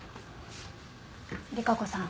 利佳子さん。